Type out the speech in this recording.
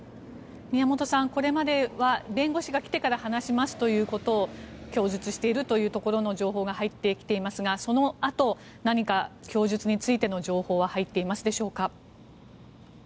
宮本さん、これまでは弁護士が来てから話しますという供述しているという情報が入ってきていますがそのあと何か供述についての情報は入っていますでしょうか？